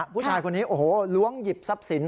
ผู้ชายคนนี้โอ้โหล้วงหยิบทรัพย์สิน